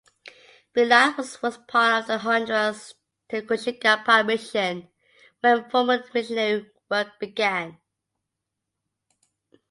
Belize was part of the Honduras Tegucigalpa Mission when formal missionary work began.